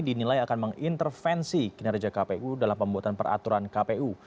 dinilai akan mengintervensi kinerja kpu dalam pembuatan peraturan kpu